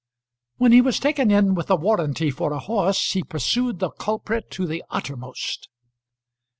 When he was taken in with a warranty for a horse, he pursued the culprit to the uttermost.